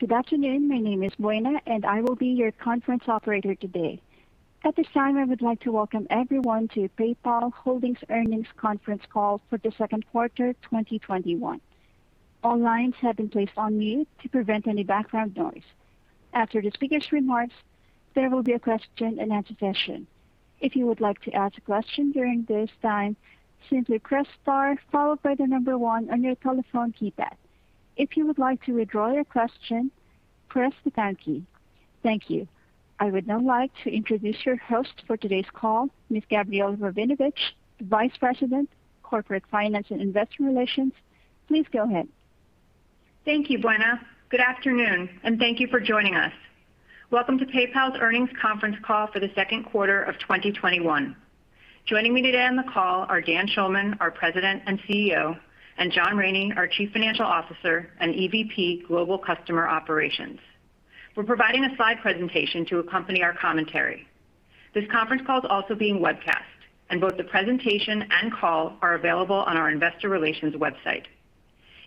Good afternoon. My name is Buena, and I will be your conference operator today. At this time, I would like to welcome everyone to PayPal Holdings earnings conference call for the second quarter 2021. All lines have been placed on mute to prevent any background noise. After the speaker's remarks, there will be a question-and-answer session. If you would like to ask a question during this time, simply press star followed by the number one on your telephone keypad. If you would like to withdraw your question, press the pound key. Thank you. I would now like to introduce your host for today's call, Ms. Gabrielle Rabinovitch, the Vice President, Corporate Finance and Investor Relations. Please go ahead. Thank you, Buena. Good afternoon, and thank you for joining us. Welcome to PayPal's earnings conference call for the second quarter of 2021. Joining me today on the call are Dan Schulman, our President and CEO, and John Rainey, our Chief Financial Officer and EVP Global Customer Operations. We're providing a slide presentation to accompany our commentary. This conference call is also being webcast, and both the presentation and call are available on our investor relations website.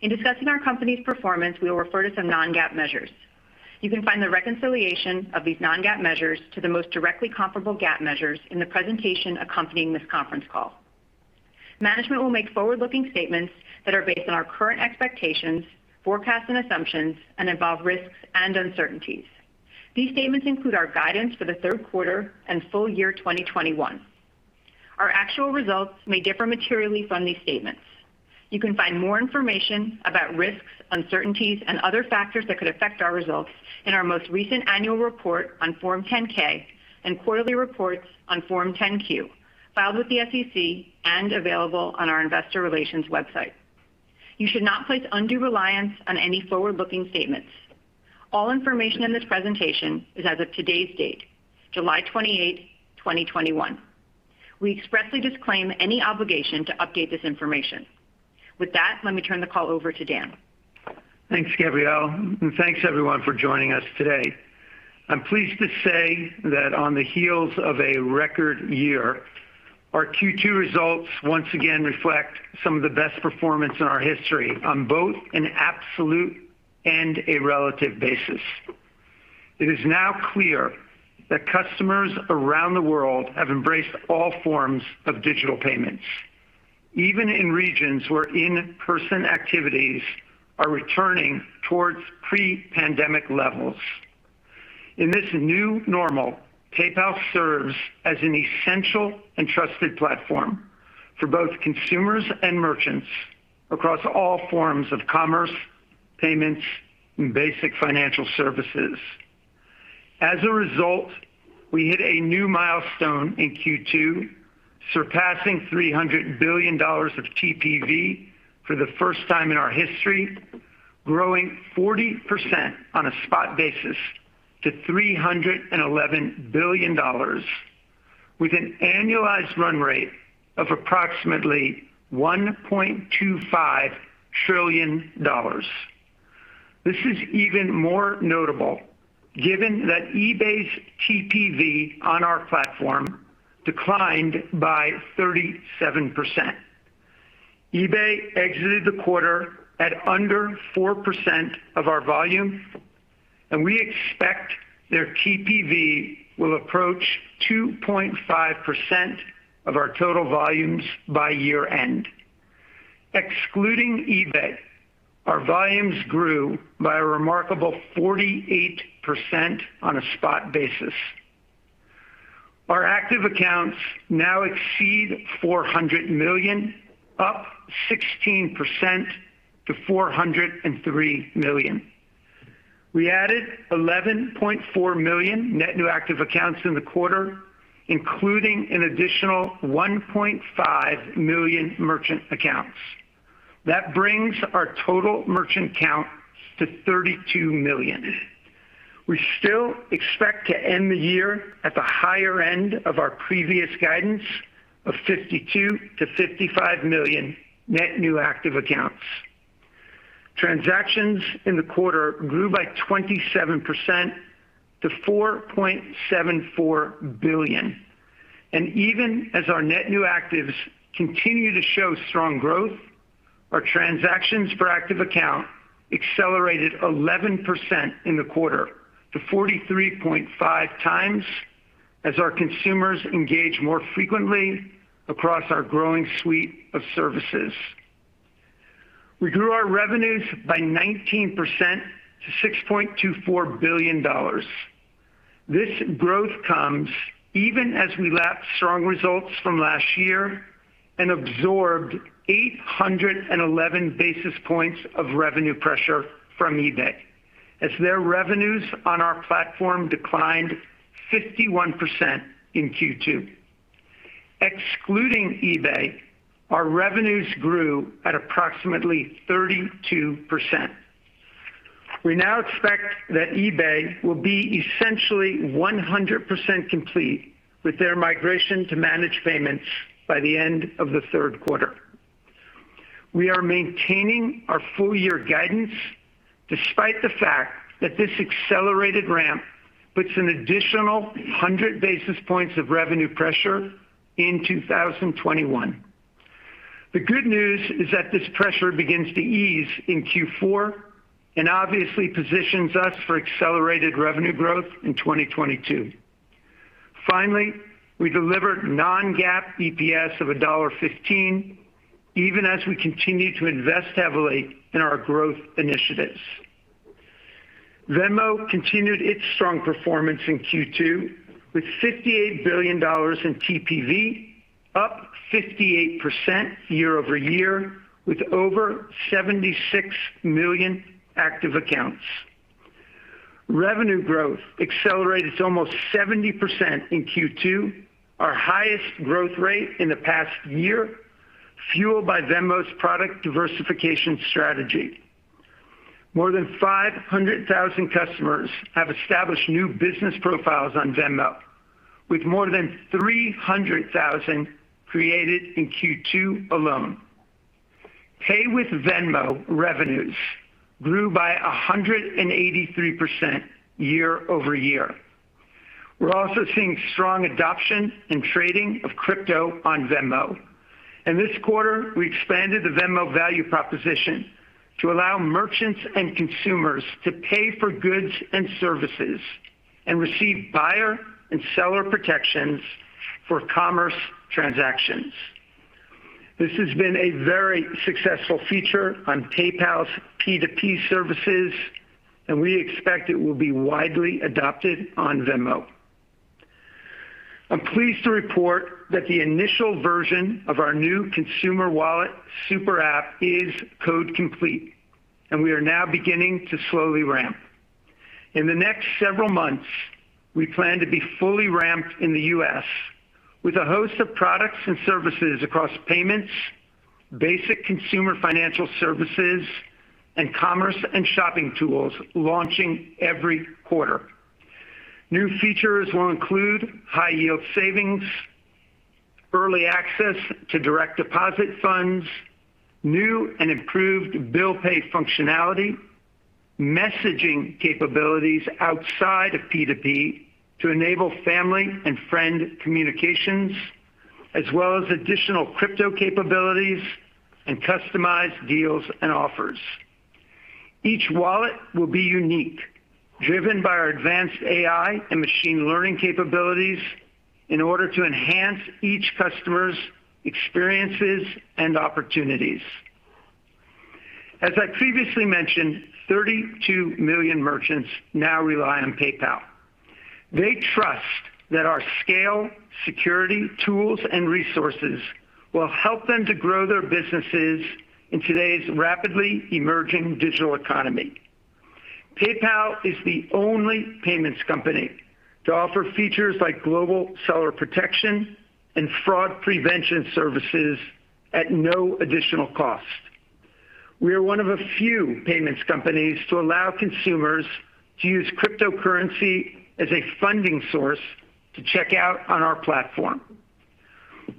In discussing our company's performance, we will refer to some non-GAAP measures. You can find the reconciliation of these non-GAAP measures to the most directly comparable GAAP measures in the presentation accompanying this conference call. Management will make forward-looking statements that are based on our current expectations, forecasts, and assumptions, and involve risks and uncertainties. These statements include our guidance for the third quarter and full year 2021. Our actual results may differ materially from these statements. You can find more information about risks, uncertainties, and other factors that could affect our results in our most recent annual report on Form 10-K and quarterly reports on Form 10-Q, filed with the SEC and available on our investor relations website. You should not place undue reliance on any forward-looking statements. All information in this presentation is as of today's date, July 28, 2021. We expressly disclaim any obligation to update this information. With that, let me turn the call over to Dan. Thanks, Gabrielle, and thanks everyone for joining us today. I'm pleased to say that on the heels of a record year, our Q2 results once again reflect some of the best performance in our history on both an absolute and a relative basis. It is now clear that customers around the world have embraced all forms of digital payments, even in regions where in-person activities are returning towards pre-pandemic levels. In this new normal, PayPal serves as an essential and trusted platform for both consumers and merchants across all forms of commerce, payments, and basic financial services. As a result, we hit a new milestone in Q2, surpassing $300 billion of TPV for the first time in our history, growing 40% on a spot basis to $311 billion, with an annualized run rate of approximately $1.25 trillion. This is even more notable given that eBay's TPV on our platform declined by 37%. eBay exited the quarter at under 4% of our volume. We expect their TPV will approach 2.5% of our total volumes by year-end. Excluding eBay, our volumes grew by a remarkable 48% on a spot basis. Our active accounts now exceed 400 million, up 16% to 403 million. We added 11.4 million net new active accounts in the quarter, including an additional 1.5 million merchant accounts. That brings our total merchant count to 32 million. We still expect to end the year at the higher end of our previous guidance of 52 million-55 million net new active accounts. Transactions in the quarter grew by 27% to 4.74 billion. Even as our Net New Actives continue to show strong growth, our transactions per active account accelerated 11% in the quarter to 43.5x as our consumers engage more frequently across our growing suite of services. We grew our revenues by 19% to $6.24 billion. This growth comes even as we lap strong results from last year and absorbed 811 basis points of revenue pressure from eBay as their revenues on our platform declined 51% in Q2. Excluding eBay, our revenues grew at approximately 32%. We now expect that eBay will be essentially 100% complete with their migration to managed payments by the end of the third quarter. We are maintaining our full-year guidance despite the fact that this accelerated ramp puts an additional 100 basis points of revenue pressure in 2021. The good news is that this pressure begins to ease in Q4 and obviously positions us for accelerated revenue growth in 2022. Finally, we delivered non-GAAP EPS of $1.15, even as we continue to invest heavily in our growth initiatives. Venmo continued its strong performance in Q2 with $58 billion in TPV, up 58% year-over-year, with over 76 million active accounts. Revenue growth accelerated to almost 70% in Q2, our highest growth rate in the past year, fueled by Venmo's product diversification strategy. More than 500,000 customers have established new business profiles on Venmo, with more than 300,000 created in Q2 alone. Pay with Venmo revenues grew by 183% year-over-year. We're also seeing strong adoption in trading of crypto on Venmo. In this quarter, we expanded the Venmo value proposition to allow merchants and consumers to pay for goods and services and receive buyer and seller protections for commerce transactions. This has been a very successful feature on PayPal's P2P services, and we expect it will be widely adopted on Venmo. I'm pleased to report that the initial version of our new consumer wallet super app is code complete, and we are now beginning to slowly ramp. In the next several months, we plan to be fully ramped in the U.S. with a host of products and services across payments, basic consumer financial services, and commerce and shopping tools launching every quarter. New features will include high-yield savings, early access to direct deposit funds, new and improved bill pay functionality, messaging capabilities outside of P2P to enable family and friend communications, as well as additional crypto capabilities and customized deals and offers. Each wallet will be unique, driven by our advanced AI and machine learning capabilities in order to enhance each customer's experiences and opportunities. As I previously mentioned, 32 million merchants now rely on PayPal. They trust that our scale, security, tools, and resources will help them to grow their businesses in today's rapidly emerging digital economy. PayPal is the only payments company to offer features like global seller protection and fraud prevention services at no additional cost. We are one of a few payments companies to allow consumers to use cryptocurrency as a funding source to check out on our platform.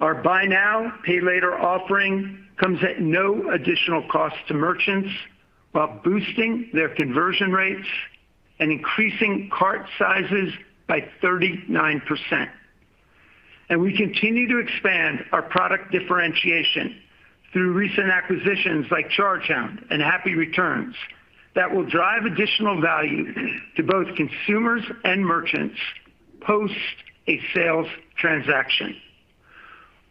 Our Buy Now, Pay Later offering comes at no additional cost to merchants while boosting their conversion rates and increasing cart sizes by 39%. We continue to expand our product differentiation through recent acquisitions like Chargehound and Happy Returns that will drive additional value to both consumers and merchants post a sales transaction.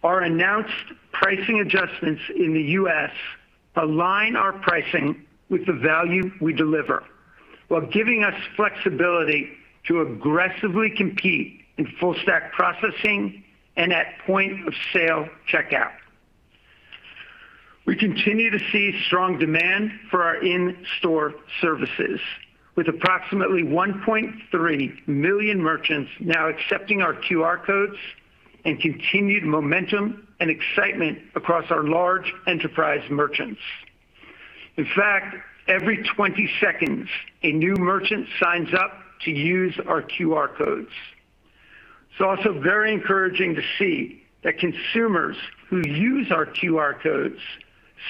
Our announced pricing adjustments in the U.S. align our pricing with the value we deliver while giving us flexibility to aggressively compete in full stack processing and at point-of-sale checkout. We continue to see strong demand for our in-store services with approximately 1.3 million merchants now accepting our QR codes and continued momentum and excitement across our large enterprise merchants. Every 20 seconds, a new merchant signs up to use our QR codes. It's also very encouraging to see that consumers who use our QR codes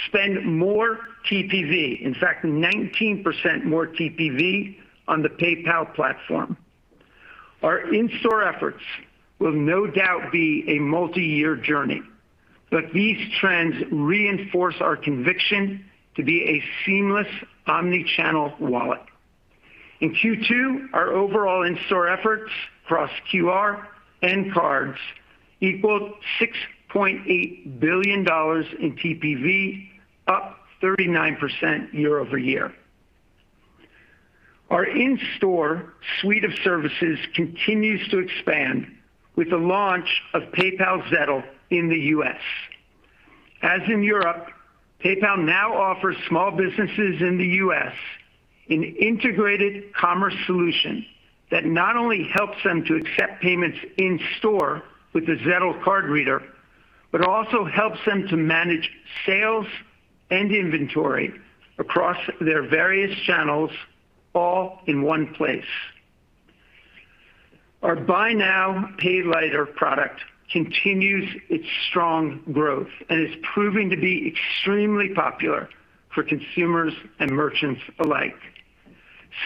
spend more TPV. 19% more TPV on the PayPal platform. Our in-store efforts will no doubt be a multiyear journey, but these trends reinforce our conviction to be a seamless omni-channel wallet. In Q2, our overall in-store efforts across QR and cards equaled $6.8 billion in TPV, up 39% year over year. Our in-store suite of services continues to expand with the launch of PayPal Zettle in the U.S. As in Europe, PayPal now offers small businesses in the U.S. an integrated commerce solution that not only helps them to accept payments in store with the Zettle card reader, but also helps them to manage sales and inventory across their various channels, all in one place. Our Buy Now, Pay Later product continues its strong growth and is proving to be extremely popular for consumers and merchants alike.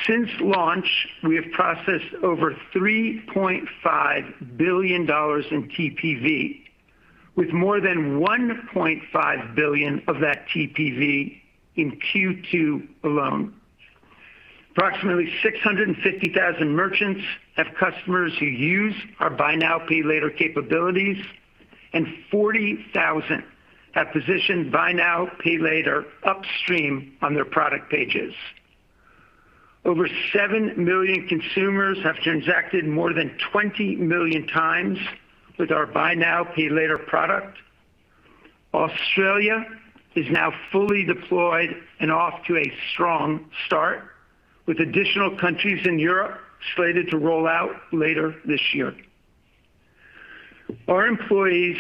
Since launch, we have processed over $3.5 billion in TPV, with more than $1.5 billion of that TPV in Q2 alone. Approximately 650,000 merchants have customers who use our Buy Now, Pay Later capabilities, and 40,000 have positioned Buy Now, Pay Later upstream on their product pages. Over 7 million consumers have transacted more than 20 million times with our Buy Now, Pay Later product. Australia is now fully deployed and off to a strong start, with additional countries in Europe slated to roll out later this year. Our employees,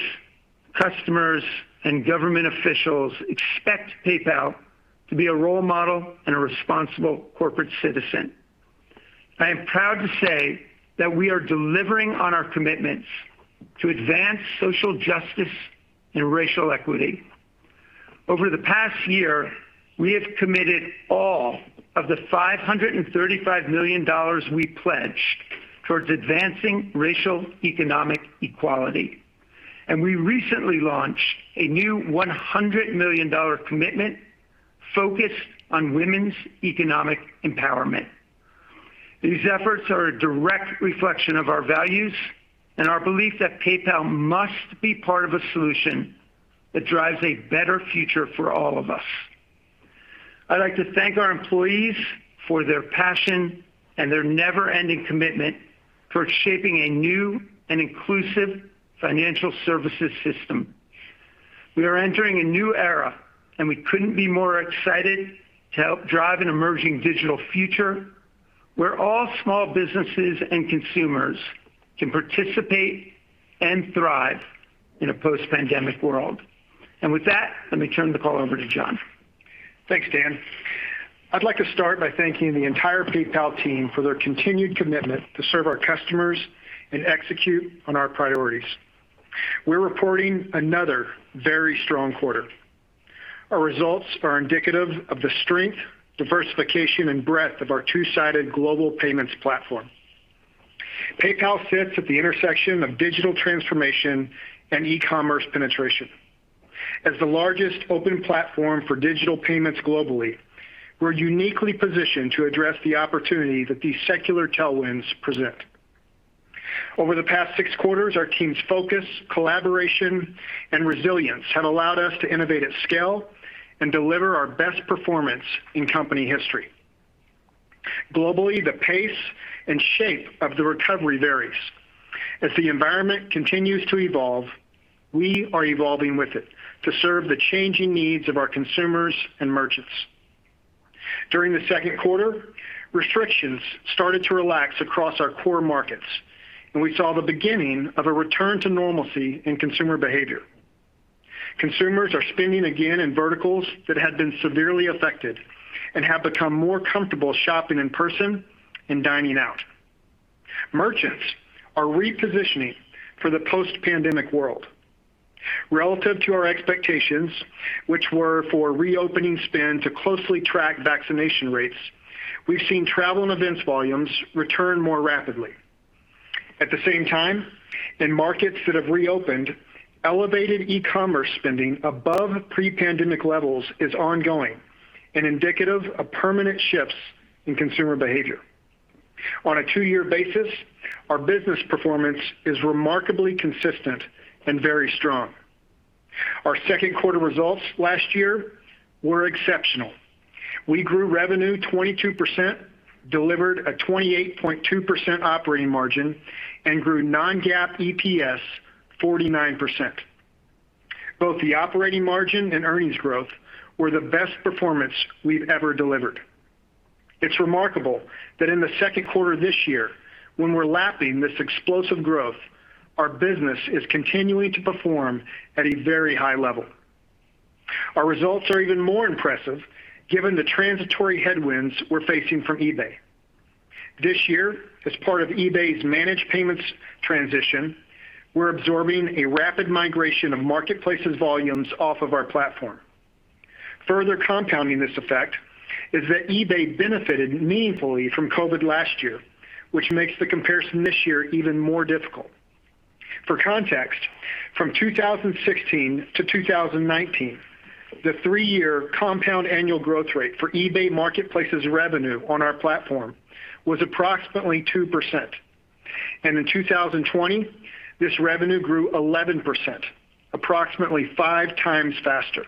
customers, and government officials expect PayPal to be a role model and a responsible corporate citizen. I am proud to say that we are delivering on our commitments to advance social justice and racial equity. Over the past year, we have committed all of the $535 million we pledged towards advancing racial economic equality, and we recently launched a new $100 million commitment focused on women's economic empowerment. These efforts are a direct reflection of our values and our belief that PayPal must be part of a solution that drives a better future for all of us. I'd like to thank our employees for their passion and their never-ending commitment to shaping a new and inclusive financial services system. We are entering a new era, and we couldn't be more excited to help drive an emerging digital future where all small businesses and consumers can participate and thrive in a post-pandemic world. With that, let me turn the call over to John. Thanks, Dan. I'd like to start by thanking the entire PayPal team for their continued commitment to serve our customers and execute on our priorities. We're reporting another very strong quarter. Our results are indicative of the strength, diversification, and breadth of our two-sided global payments platform. PayPal sits at the intersection of digital transformation and e-commerce penetration. As the largest open platform for digital payments globally, we're uniquely positioned to address the opportunity that these secular tailwinds present. Over the past six quarters, our team's focus, collaboration, and resilience have allowed us to innovate at scale and deliver our best performance in company history. Globally, the pace and shape of the recovery varies. As the environment continues to evolve, we are evolving with it to serve the changing needs of our consumers and merchants. During the second quarter, restrictions started to relax across our core markets, and we saw the beginning of a return to normalcy in consumer behavior. Consumers are spending again in verticals that had been severely affected and have become more comfortable shopping in person and dining out. Merchants are repositioning for the post-pandemic world. Relative to our expectations, which were for reopening spend to closely track vaccination rates, we've seen travel and events volumes return more rapidly. At the same time, in markets that have reopened, elevated e-commerce spending above pre-pandemic levels is ongoing and indicative of permanent shifts in consumer behavior. On a two-year basis, our business performance is remarkably consistent and very strong. Our second quarter results last year were exceptional. We grew revenue 22%, delivered a 28.2% operating margin, and grew non-GAAP EPS 49%. Both the operating margin and earnings growth were the best performance we've ever delivered. It's remarkable that in the second quarter this year, when we're lapping this explosive growth, our business is continuing to perform at a very high level. Our results are even more impressive given the transitory headwinds we're facing from eBay. This year, as part of eBay's managed payments transition, we're absorbing a rapid migration of marketplaces volumes off of our platform. Further compounding this effect is that eBay benefited meaningfully from COVID last year, which makes the comparison this year even more difficult. For context, from 2016-2019, the three-year compound annual growth rate for eBay Marketplaces revenue on our platform was approximately 2%. In 2020, this revenue grew 11%, approximately five times faster.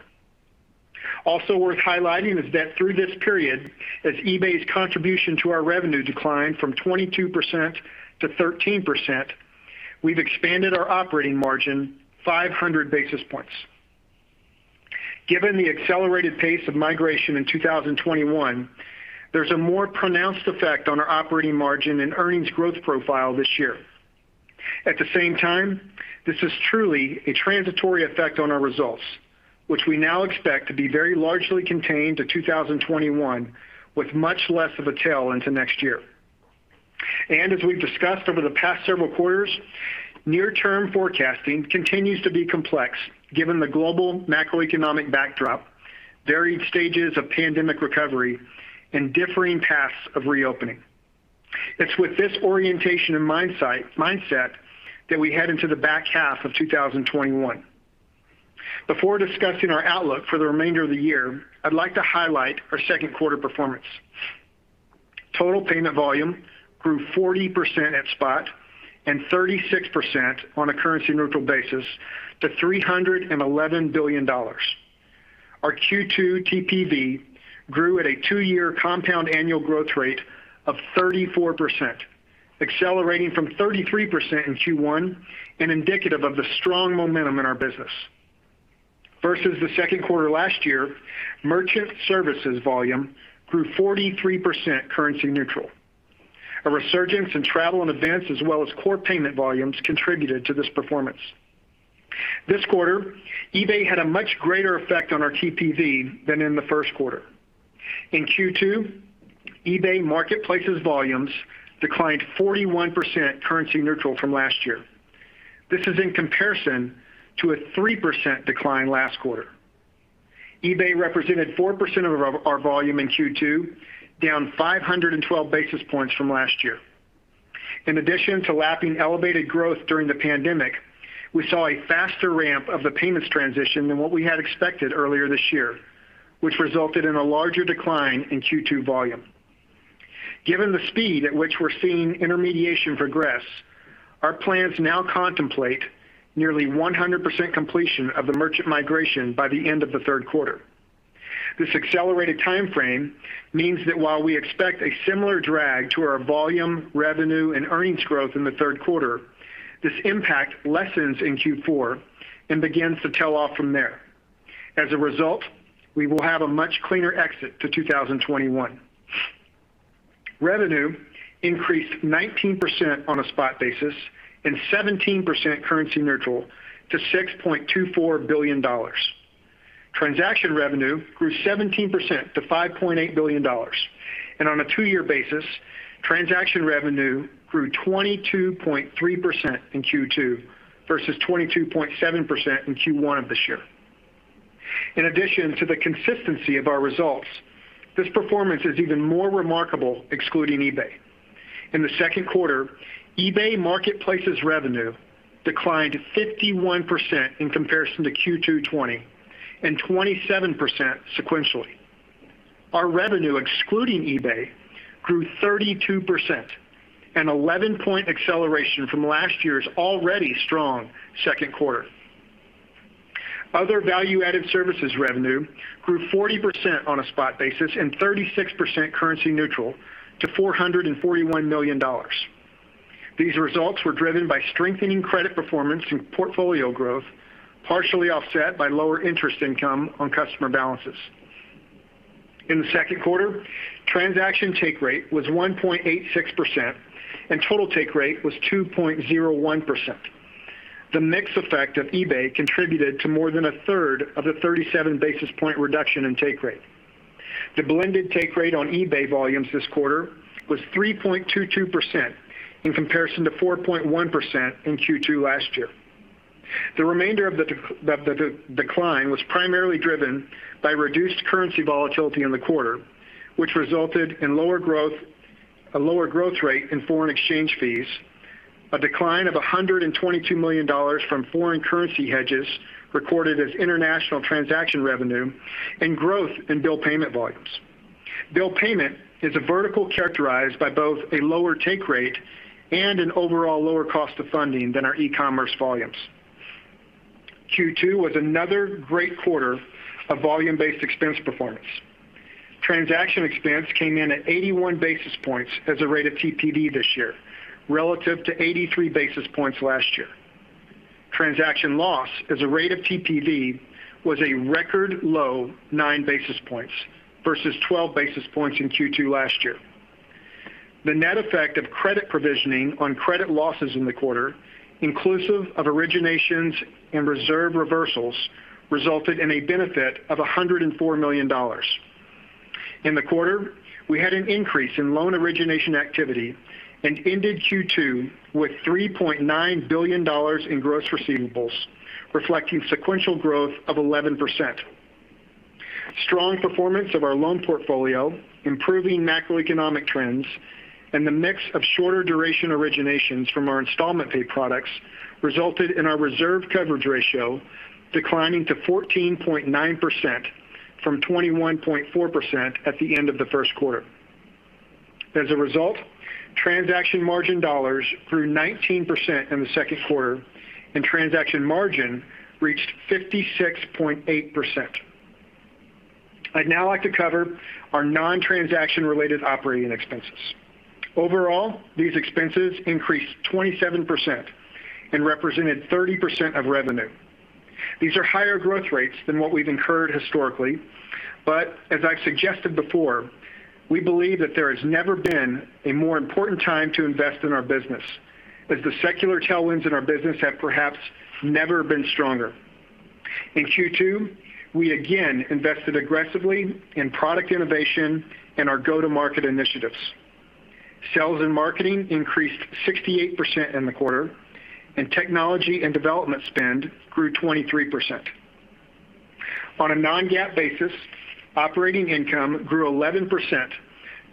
Also worth highlighting is that through this period, as eBay's contribution to our revenue declined from 22% to 13%, we've expanded our operating margin 500 basis points. Given the accelerated pace of migration in 2021, there's a more pronounced effect on our operating margin and earnings growth profile this year. At the same time, this is truly a transitory effect on our results, which we now expect to be very largely contained to 2021, with much less of a tail into next year. As we've discussed over the past several quarters, near-term forecasting continues to be complex given the global macroeconomic backdrop, varied stages of pandemic recovery, and differing paths of reopening. It's with this orientation and mindset that we head into the back half of 2021. Before discussing our outlook for the remainder of the year, I'd like to highlight our second quarter performance. Total payment volume grew 40% at spot and 36% on a currency neutral basis to $311 billion. Our Q2 TPV grew at a two-year compound annual growth rate of 34%, accelerating from 33% in Q1 and indicative of the strong momentum in our business. Versus the second quarter last year, merchant services volume grew 43% currency neutral. A resurgence in travel and advance, as well as core payment volumes, contributed to this performance. This quarter, eBay had a much greater effect on our TPV than in the first quarter. In Q2, eBay Marketplaces volumes declined 41% currency neutral from last year. This is in comparison to a 3% decline last quarter. eBay represented 4% of our volume in Q2, down 512 basis points from last year. In addition to lapping elevated growth during the pandemic, we saw a faster ramp of the payments transition than what we had expected earlier this year, which resulted in a larger decline in Q2 volume. Given the speed at which we're seeing intermediation progress, our plans now contemplate nearly 100% completion of the merchant migration by the end of the third quarter. This accelerated timeframe means that while we expect a similar drag to our volume, revenue, and earnings growth in the third quarter, this impact lessens in Q4 and begins to tail off from there. As a result, we will have a much cleaner exit to 2021. Revenue increased 19% on a spot basis and 17% currency neutral to $6.24 billion. Transaction revenue grew 17% to $5.8 billion, and on a two-year basis, transaction revenue grew 22.3% in Q2 versus 22.7% in Q1 of this year. In addition to the consistency of our results, this performance is even more remarkable excluding eBay. In the second quarter, eBay Marketplaces revenue declined 51% in comparison to Q2 2020 and 27% sequentially. Our revenue excluding eBay grew 32%, an 11-point acceleration from last year's already strong second quarter. Other value-added services revenue grew 40% on a spot basis and 36% currency neutral to $441 million. These results were driven by strengthening credit performance and portfolio growth, partially offset by lower interest income on customer balances. In the second quarter, transaction take rate was 1.86% and total take rate was 2.01%. The mix effect of eBay contributed to more than a third of the 37 basis point reduction in take rate. The blended take rate on eBay volumes this quarter was 3.22% in comparison to 4.1% in Q2 2020. The remainder of the decline was primarily driven by reduced currency volatility in the quarter, which resulted in a lower growth rate in foreign exchange fees, a decline of $122 million from foreign currency hedges recorded as international transaction revenue, and growth in bill payment volumes. Bill payment is a vertical characterized by both a lower take rate and an overall lower cost of funding than our e-commerce volumes. Q2 was another great quarter of volume-based expense performance. Transaction expense came in at 81 basis points as a rate of TPV this year, relative to 83 basis points last year. Transaction loss as a rate of TPV was a record low 9 basis points versus 12 basis points in Q2 last year. The net effect of credit provisioning on credit losses in the quarter, inclusive of originations and reserve reversals, resulted in a benefit of $104 million. In the quarter, we had an increase in loan origination activity and ended Q2 with $3.9 billion in gross receivables, reflecting sequential growth of 11%. Strong performance of our loan portfolio, improving macroeconomic trends, and the mix of shorter duration originations from our installment fee products resulted in our reserve coverage ratio declining to 14.9% from 21.4% at the end of the first quarter. Result, transaction margin dollars grew 19% in the second quarter, and transaction margin reached 56.8%. I'd now like to cover our non-transaction related operating expenses. These expenses increased 27% and represented 30% of revenue. These are higher growth rates than what we've incurred historically. As I've suggested before, we believe that there has never been a more important time to invest in our business, as the secular tailwinds in our business have perhaps never been stronger. In Q2, we again invested aggressively in product innovation and our go-to-market initiatives. Sales and marketing increased 68% in the quarter, technology and development spend grew 23%. On a non-GAAP basis, operating income grew 11%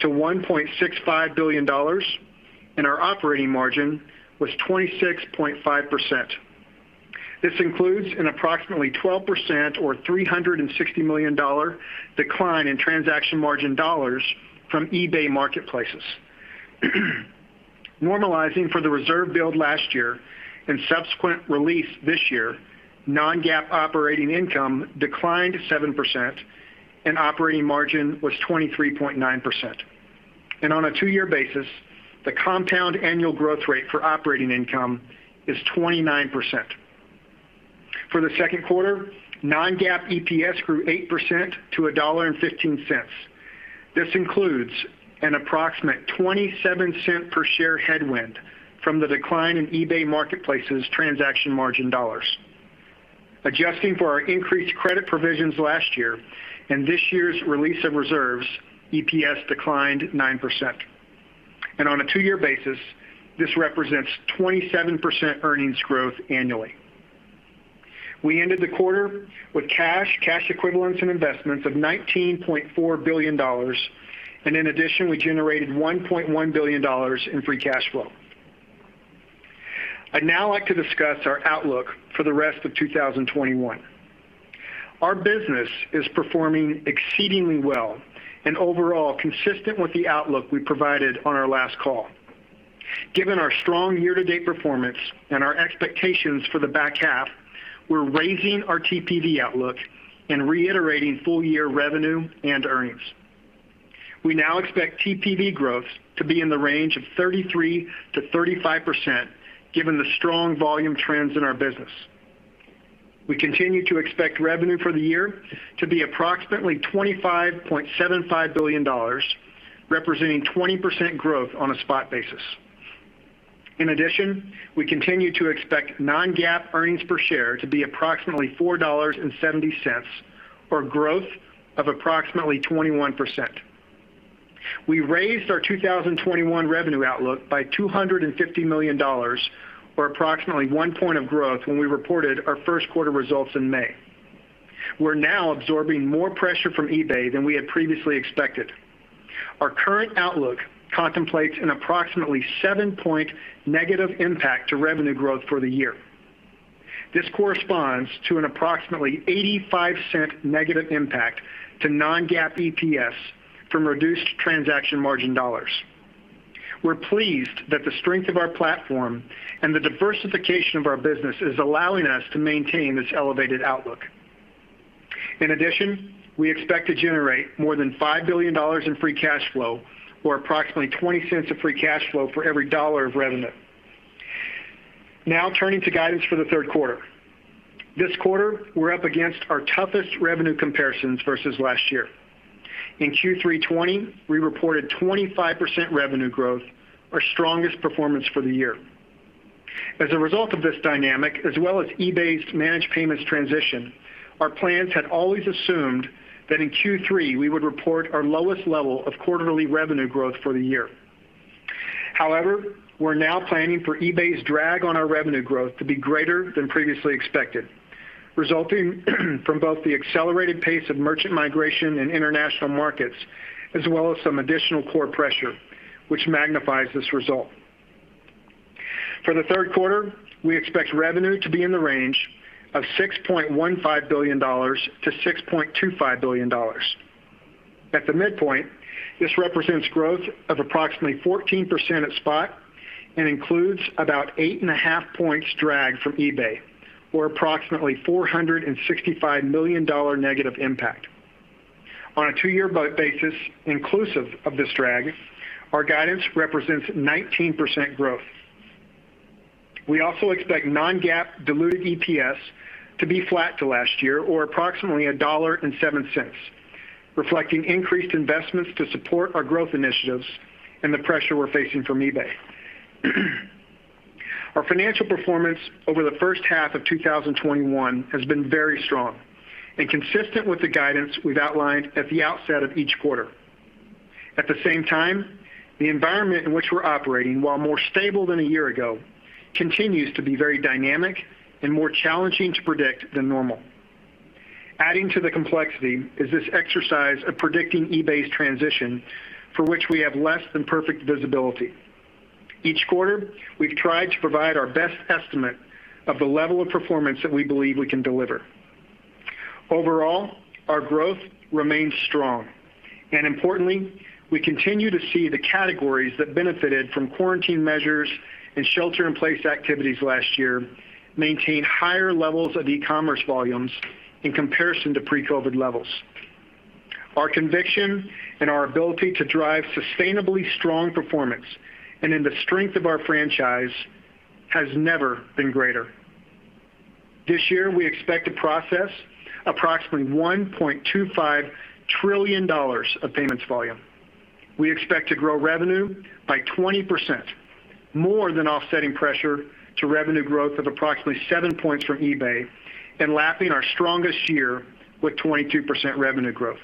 to $1.65 billion, our operating margin was 26.5%. This includes an approximately 12%, or $360 million decline in transaction margin dollars from eBay Marketplaces. Normalizing for the reserve build last year and subsequent release this year, non-GAAP operating income declined 7%, operating margin was 23.9%. On a two-year basis, the compound annual growth rate for operating income is 29%. For the second quarter, non-GAAP EPS grew 8% to $1.15. This includes an approximate $0.27 per share headwind from the decline in eBay Marketplaces transaction margin dollars. Adjusting for our increased credit provisions last year and this year's release of reserves, EPS declined 9%. On a two-year basis, this represents 27% earnings growth annually. We ended the quarter with cash equivalents, and investments of $19.4 billion, and in addition, we generated $1.1 billion in free cash flow. I'd now like to discuss our outlook for the rest of 2021. Our business is performing exceedingly well and overall consistent with the outlook we provided on our last call. Given our strong year-to-date performance and our expectations for the back half, we're raising our TPV outlook and reiterating full-year revenue and earnings. We now expect TPV growth to be in the range of 33%-35% given the strong volume trends in our business. We continue to expect revenue for the year to be approximately $25.75 billion, representing 20% growth on a spot basis. In addition, we continue to expect non-GAAP EPS to be approximately $4.70, or growth of approximately 21%. We raised our 2021 revenue outlook by $250 million, or approximately 1 point of growth when we reported our first quarter results in May. We're now absorbing more pressure from eBay than we had previously expected. Our current outlook contemplates an approximately 7-point negative impact to revenue growth for the year. This corresponds to an approximately $0.85 negative impact to non-GAAP EPS from reduced transaction margin dollars. We're pleased that the strength of our platform and the diversification of our business is allowing us to maintain this elevated outlook. In addition, we expect to generate more than $5 billion in free cash flow or approximately $0.20 of free cash flow for every dollar of revenue. Turning to guidance for the third quarter. This quarter, we're up against our toughest revenue comparisons versus last year. In Q3 2020, we reported 25% revenue growth, our strongest performance for the year. As a result of this dynamic, as well as eBay's managed payments transition, our plans had always assumed that in Q3 we would report our lowest level of quarterly revenue growth for the year. We're now planning for eBay's drag on our revenue growth to be greater than previously expected, resulting from both the accelerated pace of merchant migration in international markets as well as some additional core pressure, which magnifies this result. For the third quarter, we expect revenue to be in the range of $6.15 billion-$6.25 billion. At the midpoint, this represents growth of approximately 14% at spot and includes about 8.5 points drag from eBay, or approximately $465 million negative impact. On a two-year basis, inclusive of this drag, our guidance represents 19% growth. We also expect non-GAAP diluted EPS to be flat to last year, or approximately $1.70, reflecting increased investments to support our growth initiatives and the pressure we're facing from eBay. Our financial performance over the first half of 2021 has been very strong and consistent with the guidance we've outlined at the outset of each quarter. At the same time, the environment in which we're operating, while more stable than a year ago, continues to be very dynamic and more challenging to predict than normal. Adding to the complexity is this exercise of predicting eBay's transition, for which we have less than perfect visibility. Each quarter, we've tried to provide our best estimate of the level of performance that we believe we can deliver. Overall, our growth remains strong, and importantly, we continue to see the categories that benefited from quarantine measures and shelter in place activities last year maintain higher levels of e-commerce volumes in comparison to pre-COVID levels. Our conviction and our ability to drive sustainably strong performance and in the strength of our franchise has never been greater. This year, we expect to process approximately $1.25 trillion of payments volume. We expect to grow revenue by 20%, more than offsetting pressure to revenue growth of approximately 7 points from eBay, and lapping our strongest year with 22% revenue growth.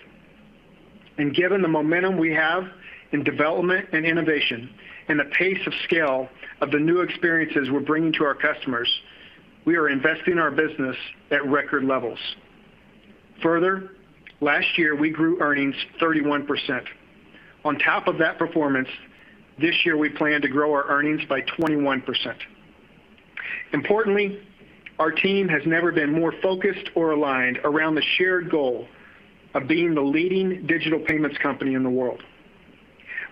Given the momentum we have in development and innovation and the pace of scale of the new experiences we're bringing to our customers, we are investing our business at record levels. Further, last year, we grew earnings 31%. On top of that performance, this year, we plan to grow our earnings by 21%. Importantly, our team has never been more focused or aligned around the shared goal of being the leading digital payments company in the world.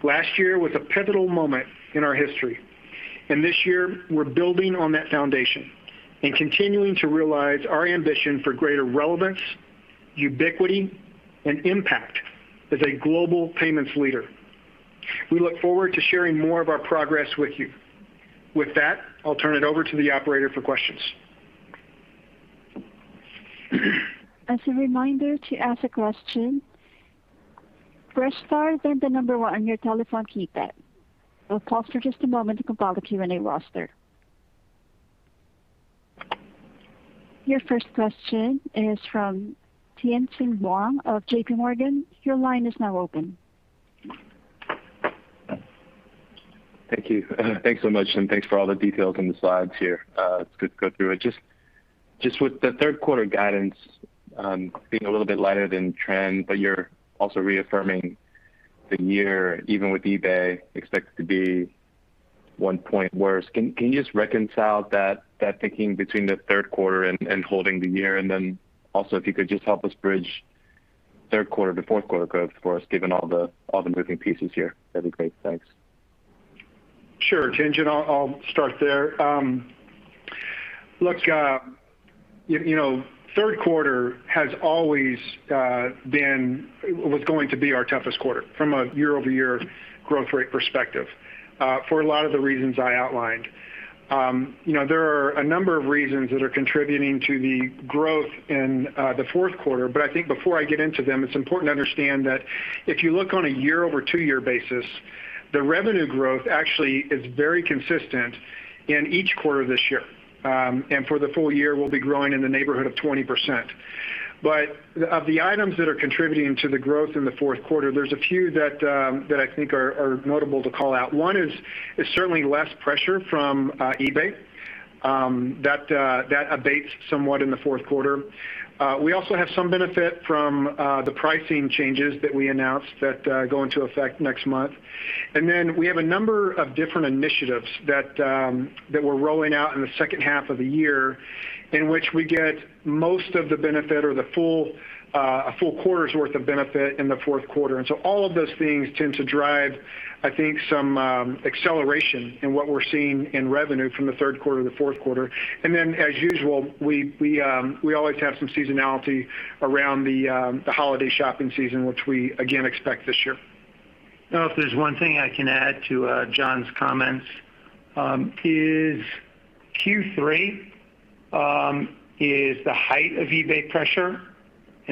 Last year was a pivotal moment in our history, and this year, we're building on that foundation and continuing to realize our ambition for greater relevance, ubiquity, and impact as a global payments leader. We look forward to sharing more of our progress with you. With that, I'll turn it over to the operator for questions. As a reminder, to ask a question, press star, then the number 1 on your telephone keypad. We'll pause for just a moment to compile the Q&A roster. Your first question is from Tien-Tsin Huang of JPMorgan. Your line is now open. Thank you. Thanks so much, and thanks for all the details on the slides here. It's good to go through it. Just with the third quarter guidance, being a little bit lighter than trend, you're also reaffirming the year, even with eBay expected to be one point worse. Can you just reconcile that thinking between the third quarter and holding the year? Also, if you could just help us bridge third quarter to fourth quarter growth for us, given all the moving pieces here, that'd be great. Thanks. Sure, Tien-Tsin. I'll start there. Look, third quarter has always was going to be our toughest quarter from a year-over-year growth rate perspective for a lot of the reasons I outlined. I think before I get into them, it's important to understand that if you look on a year-over-two-year basis, the revenue growth actually is very consistent in each quarter this year. For the full year, we'll be growing in the neighborhood of 20%. Of the items that are contributing to the growth in the fourth quarter, there's a few that I think are notable to call out. One is certainly less pressure from eBay. That abates somewhat in the fourth quarter. We also have some benefit from the pricing changes that we announced that go into effect next month. We have a number of different initiatives that we're rolling out in the second half of the year in which we get most of the benefit or a full quarter's worth of benefit in the fourth quarter. All of those things tend to drive, I think, some acceleration in what we're seeing in revenue from the third quarter to the fourth quarter. As usual, we always have some seasonality around the holiday shopping season, which we again expect this year. If there's one thing I can add to John's comments is Q3 is the height of eBay pressure.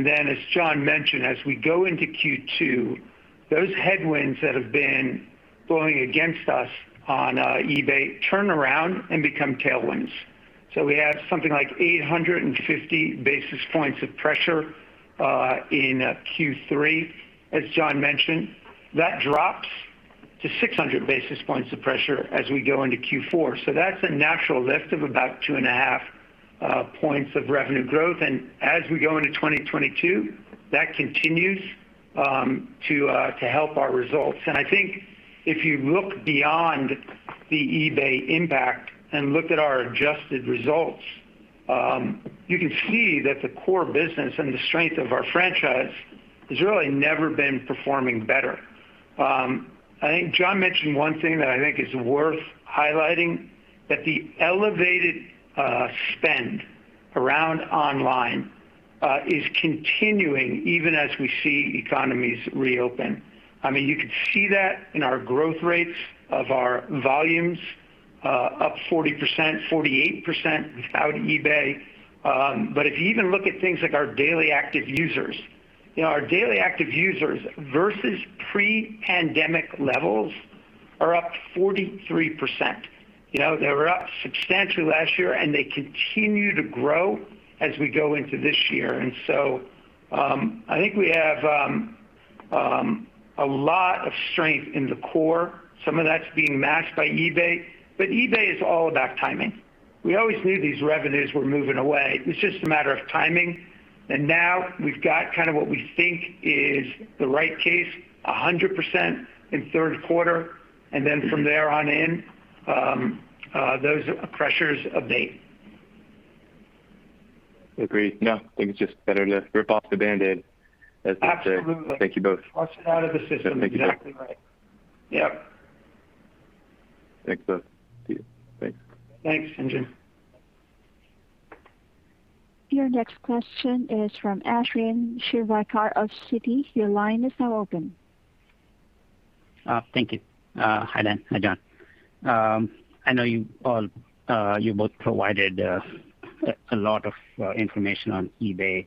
As John mentioned, as we go into Q2, those headwinds that have been blowing against us on eBay turn around and become tailwinds. We have something like 850 basis points of pressure in Q3, as John mentioned. That drops to 600 basis points of pressure as we go into Q4. That's a natural lift of about 2.5 points of revenue growth. As we go into 2022, that continues to help our results. I think if you look beyond the eBay impact and look at our adjusted results, you can see that the core business and the strength of our franchise has really never been performing better. I think John mentioned one thing that I think is worth highlighting, that the elevated spend around online is continuing even as we see economies reopen. You could see that in our growth rates of our volumes, up 40%, 48% without eBay. If you even look at things like our daily active users. Our daily active users versus pre-pandemic levels are up 43%. They were up substantially last year, and they continue to grow as we go into this year. I think we have a lot of strength in the core. Some of that's being masked by eBay, but eBay is all about timing. We always knew these revenues were moving away. It was just a matter of timing. Now we've got what we think is the right case 100% in the third quarter, and then from there on in, those pressures abate. Agree. No, I think it's just better to rip off the Band-Aid, as they say. Absolutely. Thank you both. Flush it out of the system. Yeah, thank you, John. Exactly right. Yep. Thanks, both. See you. Thanks. Thanks, Tien-Tsin. Your next question is from Ashwin Shirvaikar of Citi. Your line is now open. Thank you. Hi, Dan. Hi, John. I know you both provided a lot of information on eBay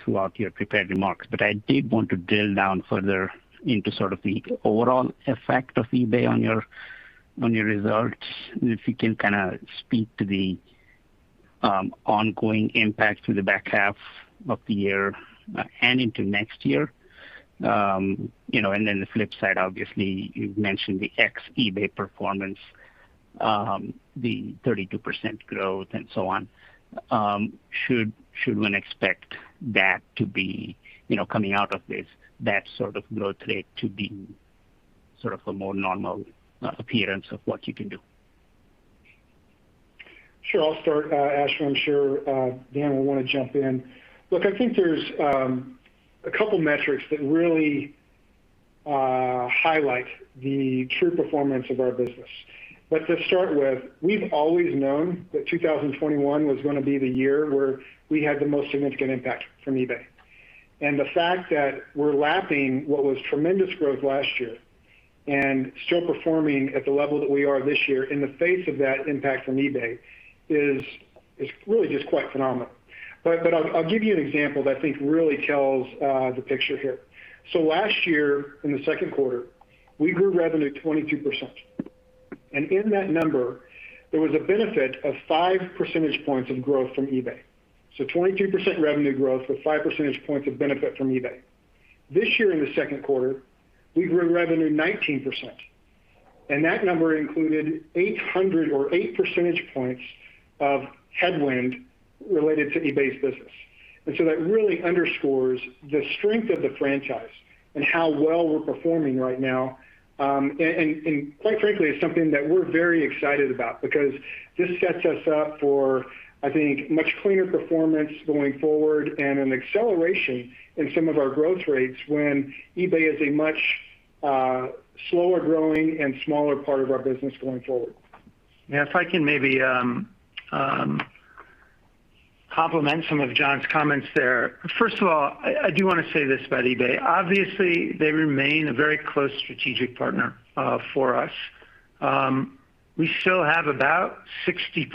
throughout your prepared remarks, but I did want to drill down further into sort of the overall effect of eBay on your results, and if you can speak to the ongoing impact through the back half of the year and into next year. The flip side, obviously, you've mentioned the ex-eBay performance, the 32% growth and so on. Should one expect that to be, coming out of this, that sort of growth rate to be sort of a more normal appearance of what you can do? Sure. I'll start, Ashwin. I'm sure Dan will want to jump in. I think there's 2 metrics that really highlight the true performance of our business. To start with, we've always known that 2021 was going to be the year where we had the most significant impact from eBay. The fact that we're lapping what was tremendous growth last year and still performing at the level that we are this year in the face of that impact from eBay is really just quite phenomenal. I'll give you an example that I think really tells the picture here. Last year in the second quarter, we grew revenue 22%. In that number, there was a benefit of 5 percentage points of growth from eBay. 22% revenue growth with 5 percentage points of benefit from eBay. This year in the second quarter, we grew revenue 19%, and that number included 8 percentage points of headwind related to eBay's business. That really underscores the strength of the franchise and how well we're performing right now. Quite frankly, it's something that we're very excited about because this sets us up for, I think, much cleaner performance going forward and an acceleration in some of our growth rates when eBay is a much slower growing and smaller part of our business going forward. Yeah. If I can maybe complement some of John's comments there. First of all, I do want to say this about eBay. Obviously, they remain a very close strategic partner for us. We still have about 60%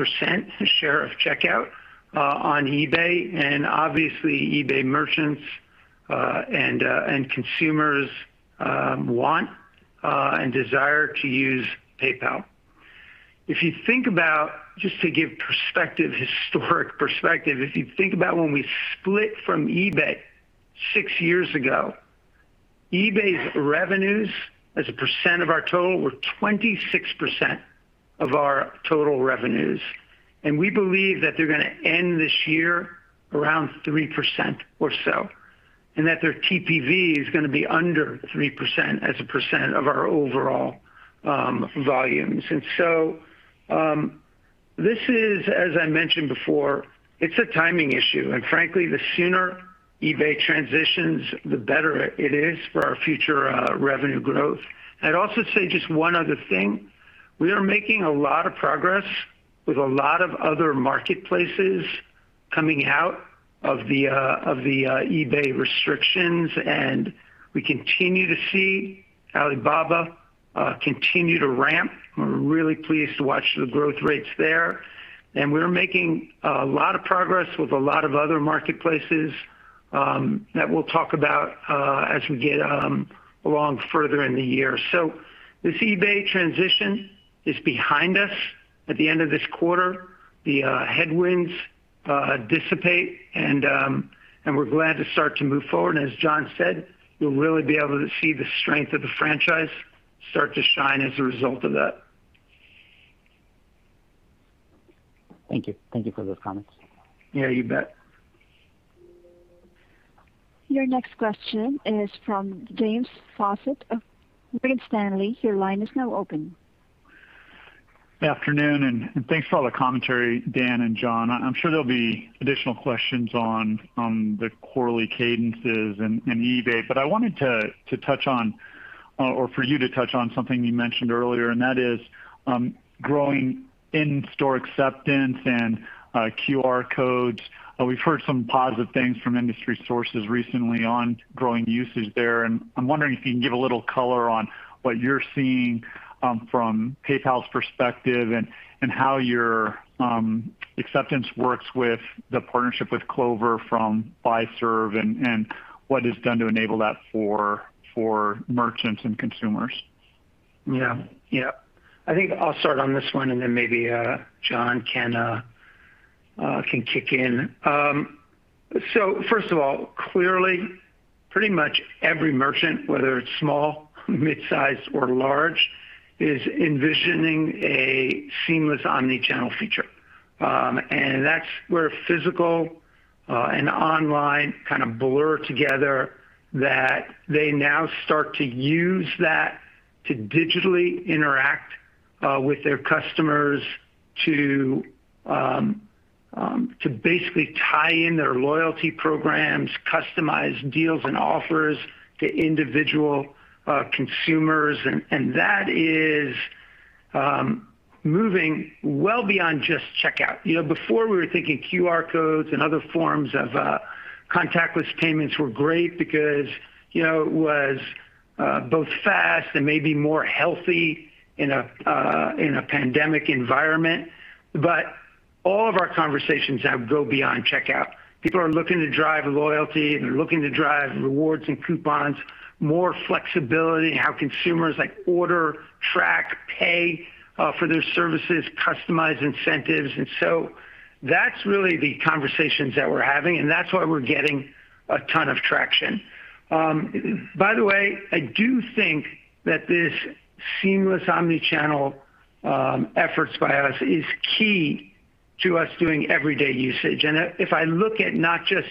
share of checkout on eBay, and obviously eBay merchants and consumers want and desire to use PayPal. If you think about, just to give historic perspective, if you think about when we split from eBay six years ago, eBay's revenues as a percent of our total were 26% of our total revenues, and we believe that they're going to end this year around 3% or so, and that their TPV is going to be under 3% as a percent of our overall volumes. This is, as I mentioned before, it's a timing issue. Frankly, the sooner eBay transitions, the better it is for our future revenue growth. I'd also say just one other thing. We are making a lot of progress with a lot of other marketplaces coming out of the eBay restrictions. We continue to see Alibaba continue to ramp. We're really pleased to watch the growth rates there. We're making a lot of progress with a lot of other marketplaces that we'll talk about as we get along further in the year. This eBay transition is behind us at the end of this quarter. The headwinds dissipate. We're glad to start to move forward. As John said, you'll really be able to see the strength of the franchise start to shine as a result of that. Thank you. Thank you for those comments. Yeah, you bet. Your next question is from James Faucette of Morgan Stanley. Your line is now open. Afternoon. Thanks for all the commentary, Dan and John. I'm sure there'll be additional questions on the quarterly cadences and eBay, but I wanted to touch on, or for you to touch on something you mentioned earlier, and that is growing in-store acceptance and QR codes. We've heard some positive things from industry sources recently on growing usage there, and I'm wondering if you can give a little color on what you're seeing from PayPal's perspective and how your acceptance works with the partnership with Clover from Fiserv and what it's done to enable that for merchants and consumers. Yeah. I think I'll start on this one, and then maybe John can kick in. First of all, clearly, pretty much every merchant, whether it's small, mid-size, or large, is envisioning a seamless omni-channel feature. That's where physical and online kind of blur together, that they now start to use that to digitally interact with their customers to basically tie in their loyalty programs, customized deals and offers to individual consumers, and that is moving well beyond just checkout. Before we were thinking QR codes. Contactless payments were great because it was both fast and maybe more healthy in a pandemic environment. All of our conversations now go beyond checkout. People are looking to drive loyalty, they're looking to drive rewards and coupons, more flexibility in how consumers order, track, pay for their services, customize incentives. That's really the conversations that we're having, and that's why we're getting a ton of traction. By the way, I do think that this seamless omni-channel efforts by us is key to us doing everyday usage. If I look at not just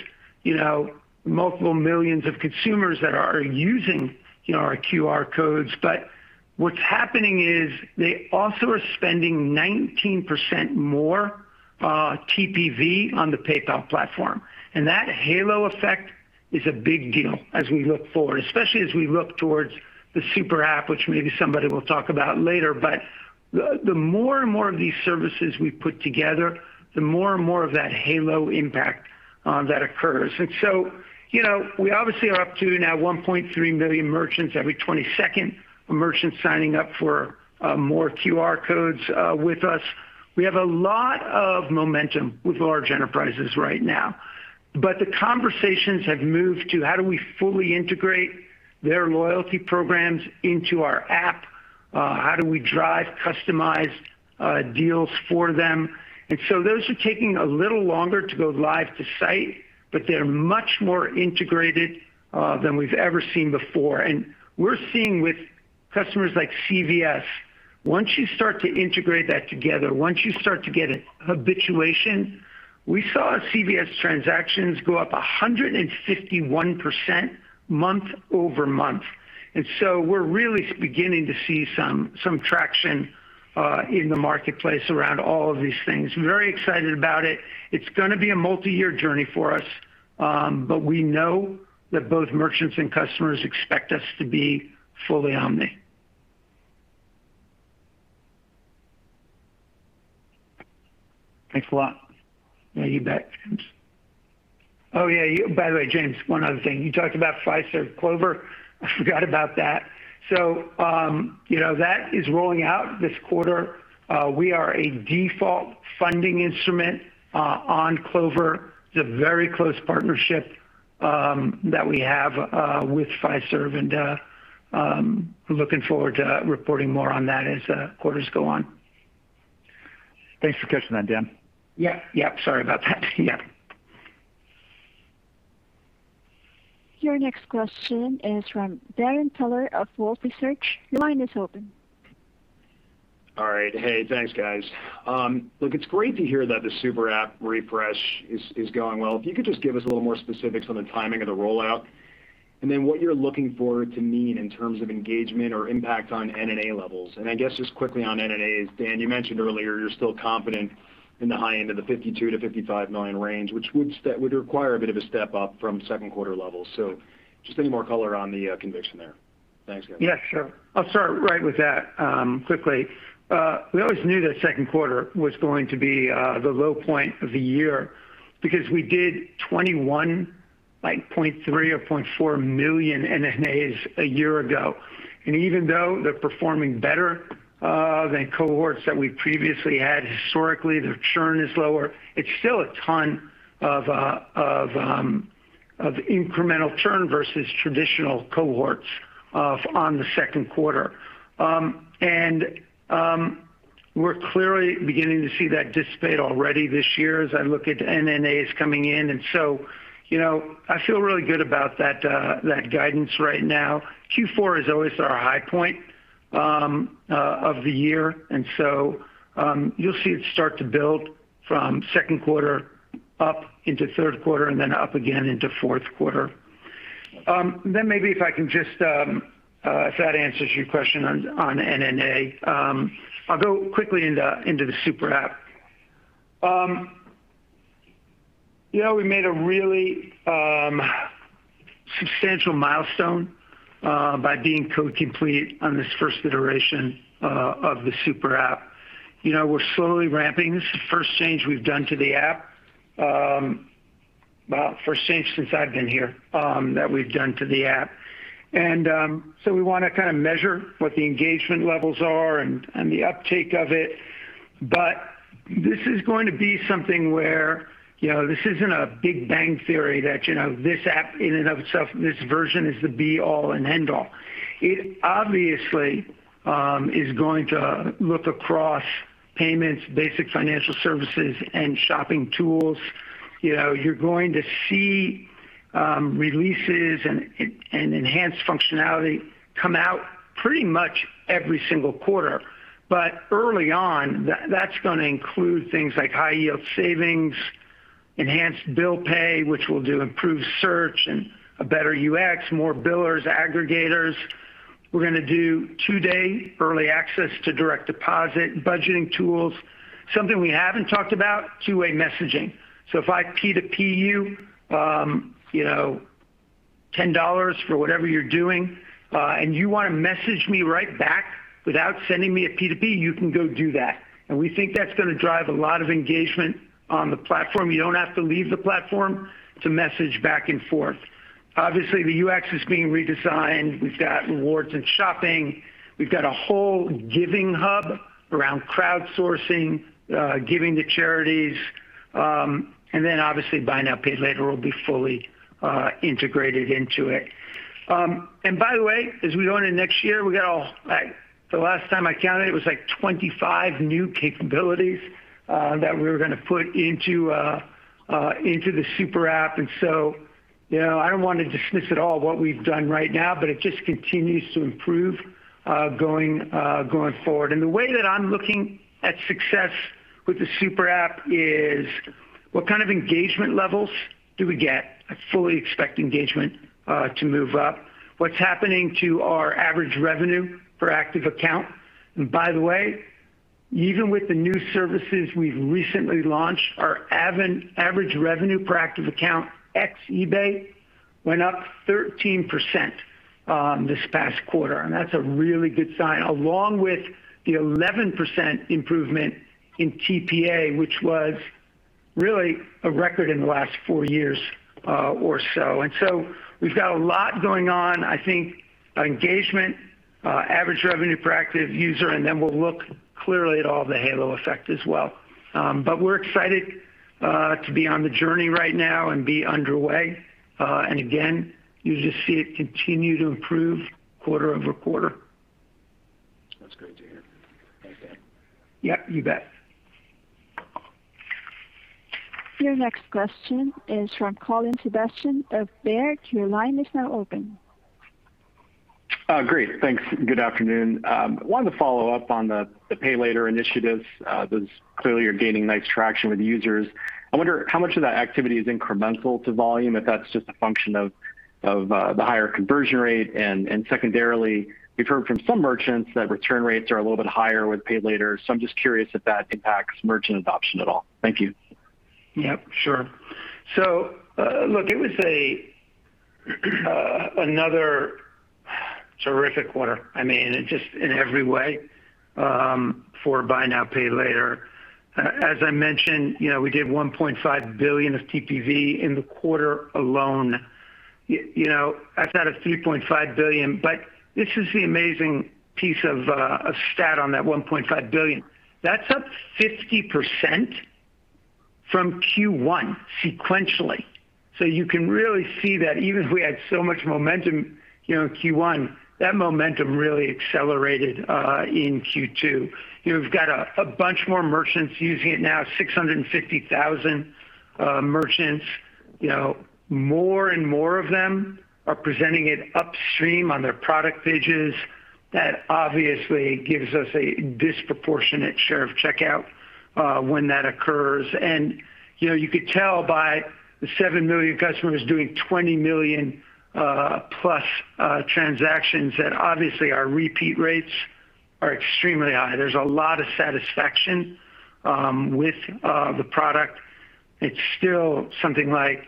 multiple millions of consumers that are using our QR codes, but what's happening is they also are spending 19% more TPV on the PayPal platform. That halo effect is a big deal as we look forward, especially as we look towards the super app, which maybe somebody will talk about later. The more and more of these services we put together, the more and more of that halo impact that occurs. We obviously are up to now 1.3 million merchants, every 20 second, a merchant signing up for more QR codes with us. We have a lot of momentum with large enterprises right now. The conversations have moved to how do we fully integrate their loyalty programs into our app? How do we drive customized deals for them? Those are taking a little longer to go live to site, but they're much more integrated than we've ever seen before. We're seeing with customers like CVS, once you start to integrate that together, once you start to get habituation, we saw CVS transactions go up 151% month-over-month. We're really beginning to see some traction in the marketplace around all of these things. Very excited about it. It's going to be a multi-year journey for us, but we know that both merchants and customers expect us to be fully omni. Thanks a lot. Yeah, you bet, James. Oh, yeah, by the way, James, one other thing. You talked about Fiserv, Clover, I forgot about that. That is rolling out this quarter. We are a default funding instrument on Clover. It's a very close partnership that we have with Fiserv, and looking forward to reporting more on that as quarters go on. Thanks for catching that, Dan. Yep. Sorry about that. Yeah. Your next question is from Darrin Peller of Wolfe Research. Your line is open. All right. Hey, thanks, guys. Look, it's great to hear that the super app refresh is going well. If you could just give us a little more specifics on the timing of the rollout, and then what you're looking for it to mean in terms of engagement or impact on NNA levels. I guess just quickly on NNAs, Dan, you mentioned earlier you're still confident in the high end of the $52 million-$55 million range, which would require a bit of a step up from second quarter levels. Just any more color on the conviction there. Thanks, guys. Yeah, sure. I'll start right with that quickly. We always knew that second quarter was going to be the low point of the year because we did 21.3 or 0.4 million NNAs a year ago. Even though they're performing better than cohorts that we previously had, historically, their churn is lower. It's still a ton of incremental churn versus traditional cohorts on the second quarter. We're clearly beginning to see that dissipate already this year as I look at NNAs coming in. I feel really good about that guidance right now. Q4 is always our high point of the year, and so you'll see it start to build from second quarter up into third quarter, and then up again into fourth quarter. Maybe if that answers your question on NNA, I'll go quickly into the super app. We made a really substantial milestone by being code complete on this first iteration of the super app. We're slowly ramping. This is the first change we've done to the app. Well, first change since I've been here that we've done to the app. We want to measure what the engagement levels are and the uptake of it. This is going to be something where this isn't a "Big Bang Theory" that this app in and of itself, this version, is the be all and end all. It obviously is going to look across payments, basic financial services, and shopping tools. You're going to see releases and enhanced functionality come out pretty much every single quarter. Early on, that's going to include things like high yield savings, enhanced bill pay, which we'll do improved search and a better UX, more billers, aggregators. We're going to do two-day early access to direct deposit, budgeting tools. Something we haven't talked about, two-way messaging. If I P2P you $10 for whatever you're doing, and you want to message me right back without sending me a P2P, you can go do that. And we think that's going to drive a lot of engagement on the platform. You don't have to leave the platform to message back and forth. Obviously, the UX is being redesigned. We've got rewards and shopping. We've got a whole giving hub around crowdsourcing, giving to charities, and then obviously Buy Now, Pay Later will be fully integrated into it. By the way, as we go into next year, the last time I counted, it was like 25 new capabilities that we were going to put into the super app. I don't want to dismiss at all what we've done right now, but it just continues to improve going forward. The way that I'm looking at success with the super app is what kind of engagement levels do we get? I fully expect engagement to move up. What's happening to our average revenue per active account? By the way, even with the new services we've recently launched, our average revenue per active account ex eBay went up 13% this past quarter, and that's a really good sign, along with the 11% improvement in TPA, which was really a record in the last four years or so. We've got a lot going on, I think engagement, average revenue per active user, and then we'll look clearly at all the halo effect as well. We're excited to be on the journey right now and be underway. Again, you just see it continue to improve quarter-over-quarter. That's great to hear. Thanks, Dan. Yep, you bet. Your next question is from Colin Sebastian of Baird. Your line is now open. Great. Thanks. Good afternoon. I wanted to follow up on the Pay Later initiatives. Those clearly are gaining nice traction with users. I wonder how much of that activity is incremental to volume, if that's just a function of the higher conversion rate. Secondarily, we've heard from some merchants that return rates are a little bit higher with Pay Later. I'm just curious if that impacts merchant adoption at all. Thank you. Yep, sure. Look, it was another terrific quarter. Just in every way, for Buy Now, Pay Later. As I mentioned, we did $1.5 billion of TPV in the quarter alone, outside of $3.5 billion. This is the amazing piece of stat on that $1.5 billion. That's up 50% from Q1 sequentially. You can really see that even if we had so much momentum in Q1, that momentum really accelerated in Q2. You've got a bunch more merchants using it now, 650,000 merchants. More and more of them are presenting it upstream on their product pages. That obviously gives us a disproportionate share of checkout when that occurs. You could tell by the 7 million customers doing 20 million+ transactions that obviously our repeat rates are extremely high. There's a lot of satisfaction with the product. It's still something like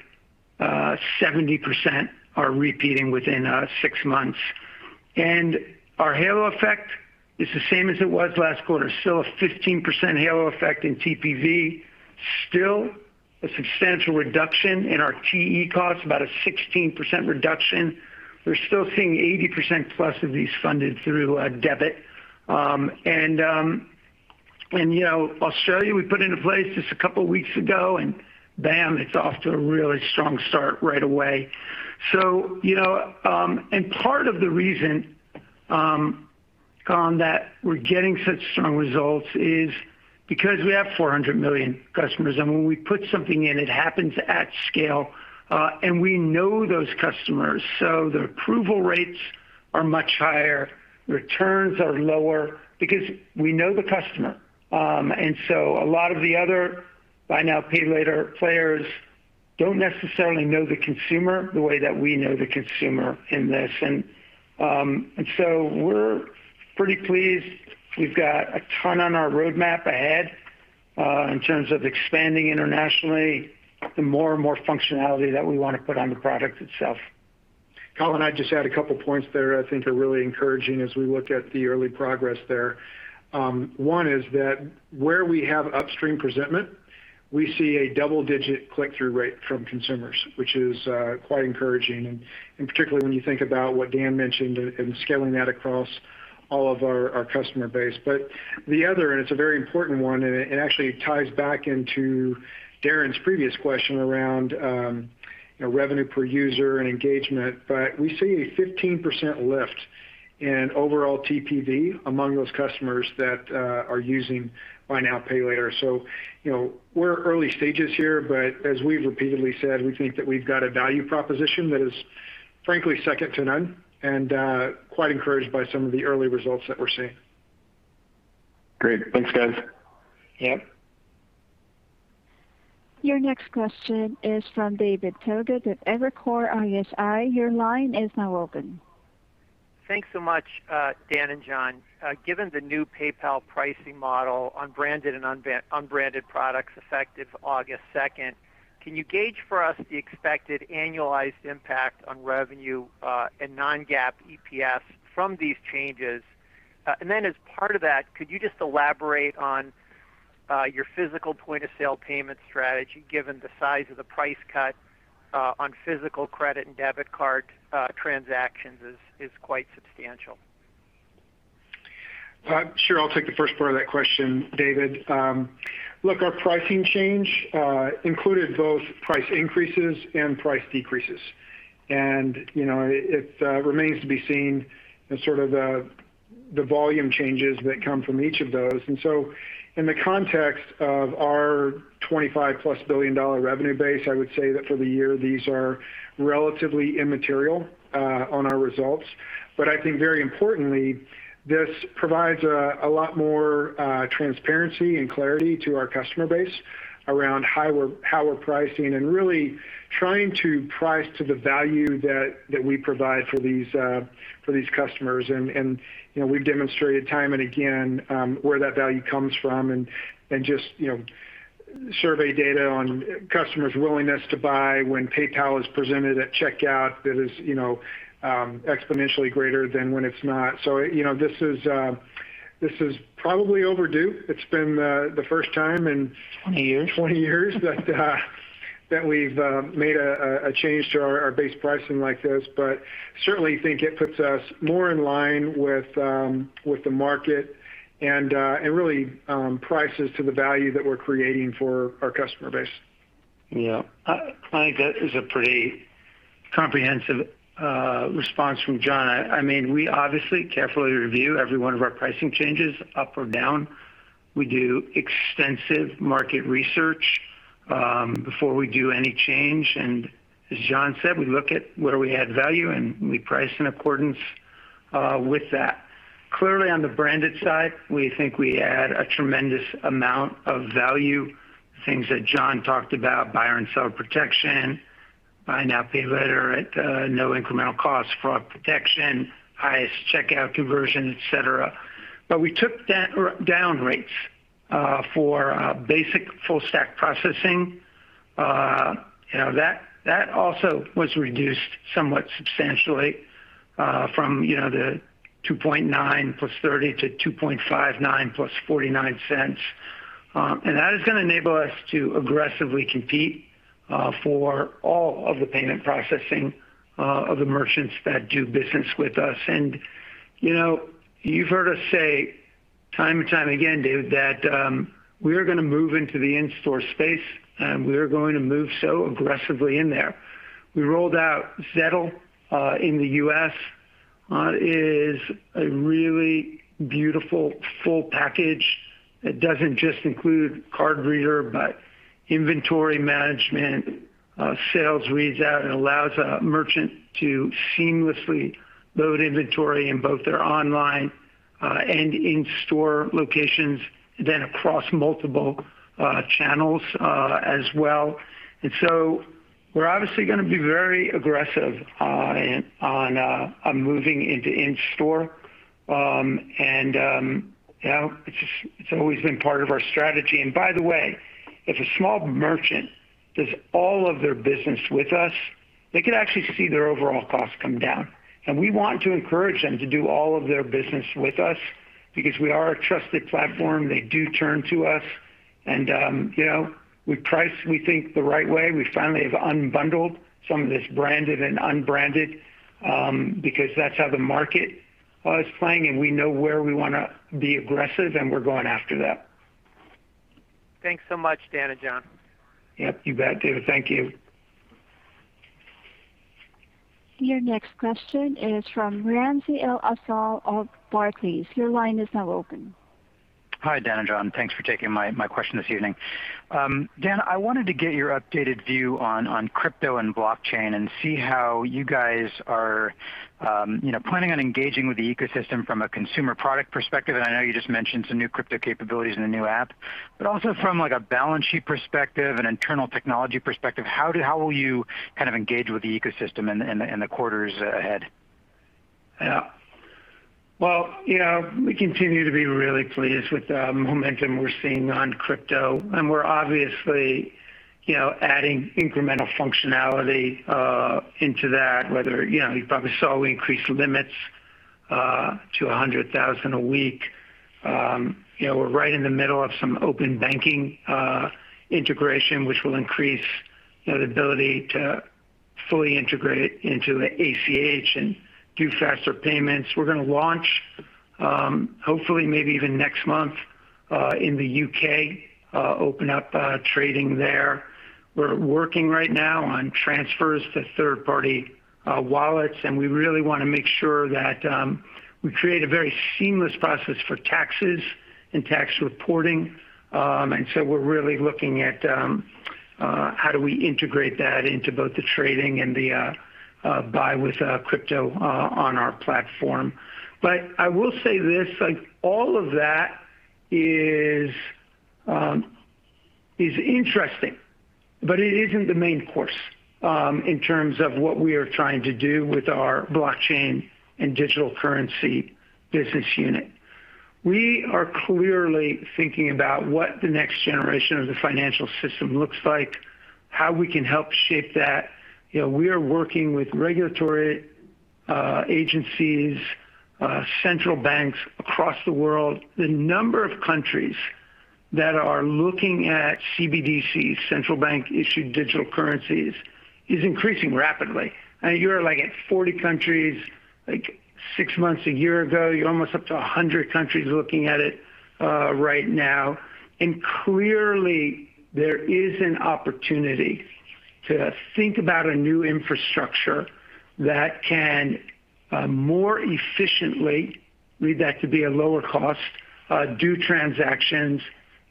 70% are repeating within six months. Our halo effect is the same as it was last quarter, still a 15% halo effect in TPV, still a substantial reduction in our TE costs, about a 16% reduction. We're still seeing 80% plus of these funded through debit. Australia, we put into place just a couple of weeks ago, and bam, it's off to a really strong start right away. Part of the reason, Colin, that we're getting such strong results is because we have 400 million customers, and when we put something in, it happens at scale. We know those customers, so the approval rates are much higher, returns are lower because we know the customer. A lot of the other Buy Now, Pay Later players don't necessarily know the consumer the way that we know the consumer in this. We're pretty pleased. We've got a ton on our roadmap ahead, in terms of expanding internationally, and more and more functionality that we want to put on the product itself. Colin, I'd just add a couple points there I think are really encouraging as we look at the early progress there. One is that where we have upstream presentment, we see a double-digit click-through rate from consumers, which is quite encouraging, and particularly when you think about what Dan mentioned and scaling that across all of our customer base. The other, and it's a very important one, and it actually ties back into Darrin's previous question around revenue per user and engagement. We see a 15% lift in overall TPV among those customers that are using Buy Now, Pay Later. We're early stages here, but as we've repeatedly said, we think that we've got a value proposition that is frankly second to none and quite encouraged by some of the early results that we're seeing. Great. Thanks, guys. Yep. Your next question is from David Togut with Evercore ISI. Your line is now open. Thanks so much, Dan and John. Given the new PayPal pricing model on branded and unbranded products effective August 2nd, can you gauge for us the expected annualized impact on revenue, and non-GAAP EPS from these changes? As part of that, could you just elaborate on your physical point-of-sale payment strategy, given the size of the price cut on physical credit and debit card transactions is quite substantial. Sure. I'll take the first part of that question, David. Look, our pricing change included both price increases and price decreases. It remains to be seen the sort of volume changes that come from each of those. So, in the context of our $25+ billion revenue base, I would say that for the year, these are relatively immaterial on our results. I think very importantly, this provides a lot more transparency and clarity to our customer base around how we're pricing and really trying to price to the value that we provide for these customers. We've demonstrated time and again where that value comes from and just survey data on customers' willingness to buy when PayPal is presented at checkout, that is exponentially greater than when it's not. This is probably overdue. It's been the first time in- 20 years. 20 years that we've made a change to our base pricing like this, certainly think it puts us more in line with the market and really prices to the value that we're creating for our customer base. Yeah. I think that is a pretty comprehensive response from John. We obviously carefully review every one of our pricing changes up or down. We do extensive market research before we do any change. As John said, we look at where we add value, and we price in accordance with that. Clearly, on the branded side, we think we add a tremendous amount of value, things that John talked about, buyer and seller protection, Buy Now, Pay Later at no incremental cost, fraud protection, highest checkout conversion, et cetera. We took down rates for basic full stack processing. That also was reduced somewhat substantially, from the 2.9% + $0.30 to 2.59% + $0.49. That is going to enable us to aggressively compete for all of the payment processing of the merchants that do business with us. You've heard us say time and time again, David, that we are going to move into the in-store space, and we are going to move so aggressively in there. We rolled out Zettle in the U.S. It is a really beautiful full package. It doesn't just include card reader, but inventory management, sales reads out, and allows a merchant to seamlessly load inventory in both their online and in-store locations, then across multiple channels as well. We're obviously going to be very aggressive on moving into in-store. It's always been part of our strategy. By the way, if a small merchant does all of their business with us, they could actually see their overall cost come down. We want to encourage them to do all of their business with us because we are a trusted platform. They do turn to us. We price, we think, the right way. We finally have unbundled some of this branded and unbranded, because that's how the market is playing, and we know where we want to be aggressive and we're going after that. Thanks so much, Dan and John. Yep. You bet, David. Thank you. Your next question is from Ramsey El-Assal of Barclays. Your line is now open. Hi, Dan and John. Thanks for taking my question this evening. Dan, I wanted to get your updated view on crypto and blockchain and see how you guys are planning on engaging with the ecosystem from a consumer product perspective. I know you just mentioned some new crypto capabilities in the new app, but also from a balance sheet perspective and internal technology perspective, how will you kind of engage with the ecosystem in the quarters ahead? Well, we continue to be really pleased with the momentum we're seeing on crypto, we're obviously adding incremental functionality into that, whether you probably saw we increased limits to $100,000 a week. We're right in the middle of some open banking integration, which will increase the ability to fully integrate into the ACH and do faster payments. We're going to launch, hopefully maybe even next month, in the U.K., open up trading there. We're working right now on transfers to third-party wallets, we really want to make sure that we create a very seamless process for taxes and tax reporting. We're really looking at how do we integrate that into both the trading and the buy with crypto on our platform. I will say this, all of that is interesting, but it isn't the main course in terms of what we are trying to do with our blockchain and digital currency business unit. We are clearly thinking about what the next generation of the financial system looks like, how we can help shape that. We are working with regulatory agencies, central banks across the world. The number of countries that are looking at CBDCs, central bank-issued digital currencies, is increasing rapidly. You're at 40 countries, six months, a year ago. You're almost up to 100 countries looking at it right now. Clearly there is an opportunity to think about a new infrastructure that can more efficiently, read that to be a lower cost, do transactions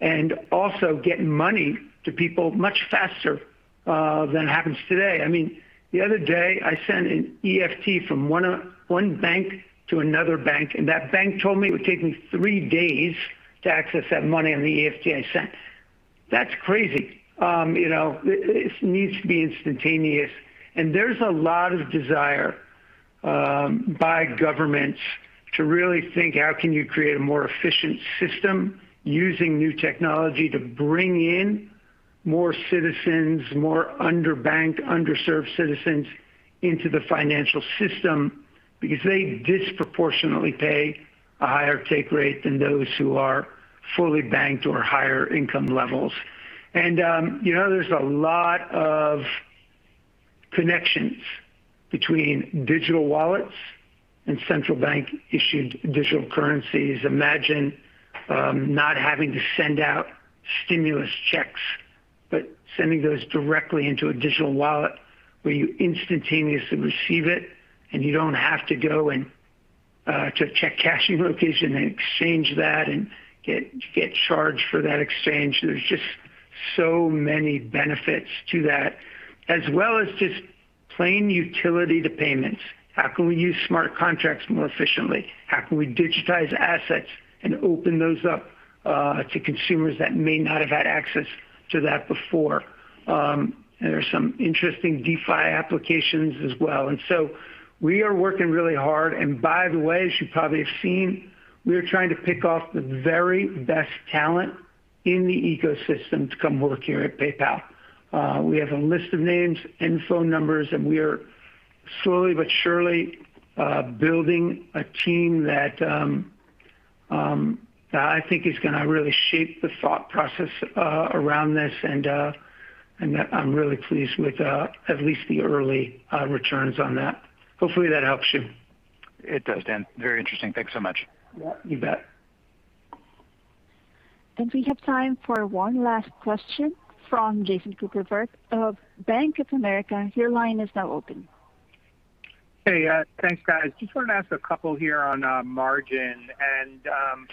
and also get money to people much faster than happens today. The other day I sent an EFT from one bank to another bank. That bank told me it would take me three days to access that money on the EFT I sent. That's crazy. It needs to be instantaneous. There's a lot of desire by governments to really think how can you create a more efficient system using new technology to bring in more citizens, more underbanked, underserved citizens into the financial system because they disproportionately pay a higher take rate than those who are fully banked or higher income levels. There's a lot of connections between digital wallets and Central Bank Digital Currencies. Imagine not having to send out stimulus checks, but sending those directly into a digital wallet where you instantaneously receive it and you don't have to go to a check cashing location and exchange that and get charged for that exchange. There's just so many benefits to that, as well as just plain utility to payments. How can we use smart contracts more efficiently? How can we digitize assets and open those up to consumers that may not have had access to that before? There are some interesting DeFi applications as well. We are working really hard, and by the way, as you probably have seen, we are trying to pick off the very best talent in the ecosystem to come work here at PayPal. We have a list of names and phone numbers, and we are slowly but surely building a team that I think is going to really shape the thought process around this. I'm really pleased with at least the early returns on that. Hopefully that helps you. It does, Dan. Very interesting. Thanks so much. You bet. We have time for one last question from Jason Kupferberg of Bank of America. Your line is now open. Hey, thanks guys. Just wanted to ask a couple here on margin.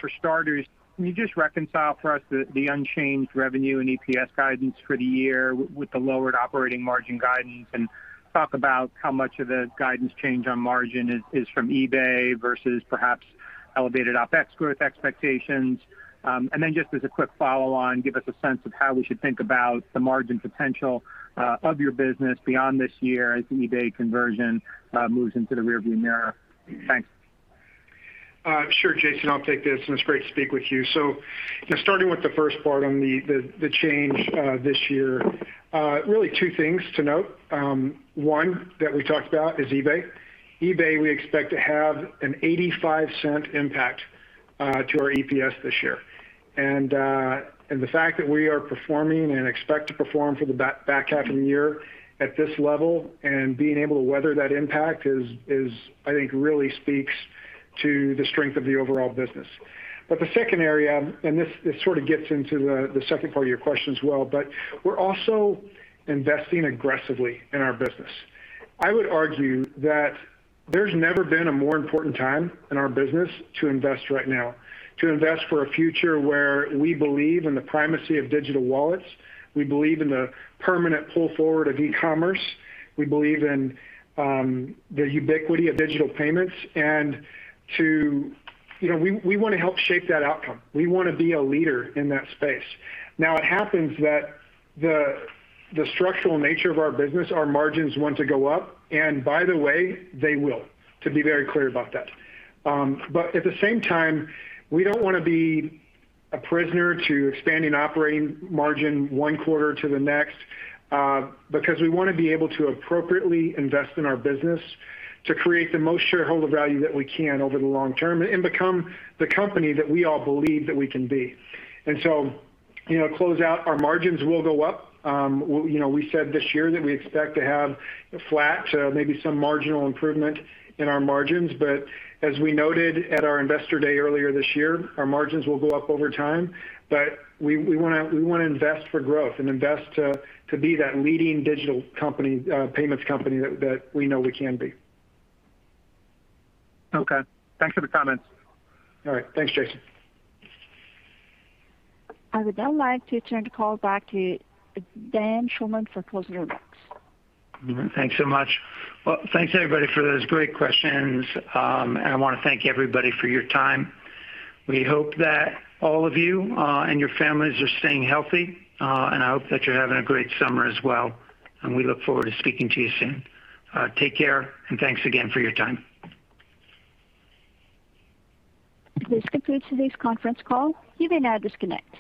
For starters, can you just reconcile for us the unchanged revenue and EPS guidance for the year with the lowered operating margin guidance? Talk about how much of the guidance change on margin is from eBay versus perhaps elevated OPEX growth expectations? Just as a quick follow on, give us a sense of how we should think about the margin potential of your business beyond this year as eBay conversion moves into the rear view mirror. Thanks. Sure, Jason, I'll take this, and it's great to speak with you. Starting with the first part on the change this year, really two things to note. One that we talked about is eBay. eBay, we expect to have an $0.85 impact to our EPS this year. The fact that we are performing and expect to perform for the back half of the year at this level and being able to weather that impact, I think really speaks to the strength of the overall business. The second area, and this sort of gets into the second part of your question as well, but we're also investing aggressively in our business. I would argue that there's never been a more important time in our business to invest right now, to invest for a future where we believe in the primacy of digital wallets. We believe in the permanent pull forward of e-commerce. We believe in the ubiquity of digital payments, and we want to help shape that outcome. We want to be a leader in that space. Now, it happens that the structural nature of our business, our margins want to go up, and by the way, they will. To be very clear about that. At the same time, we don't want to be a prisoner to expanding operating margin one quarter to the next, because we want to be able to appropriately invest in our business to create the most shareholder value that we can over the long term and become the company that we all believe that we can be. Close out, our margins will go up. We said this year that we expect to have flat to maybe some marginal improvement in our margins, but as we noted at our investor day earlier this year, our margins will go up over time, but we want to invest for growth and invest to be that leading digital payments company that we know we can be. Okay. Thanks for the comments. All right. Thanks, Jason. I would now like to turn the call back to Dan Schulman for closing remarks. Thanks so much. Well, thanks everybody for those great questions, and I want to thank everybody for your time. We hope that all of you and your families are staying healthy, and I hope that you're having a great summer as well, and we look forward to speaking to you soon. Take care, and thanks again for your time. This concludes today's conference call. You may now disconnect.